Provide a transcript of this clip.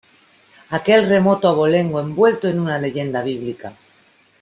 aquel remoto abolengo envuelto en una leyenda bíblica.